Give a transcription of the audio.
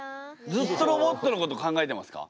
ずっとロボットのこと考えてますか？